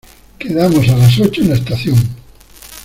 Quedamos a las ocho en la estación.